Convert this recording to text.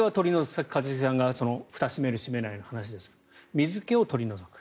さっき一茂さんがふたを閉める、閉めないの話ですが水気を取り除く。